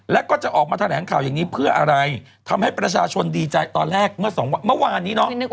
แล้วก็จะออกมาแถลงข่าวอย่างนี้เพื่ออะไรทำให้ประชาชนดีใจตอนแรกเมื่อ๒วัน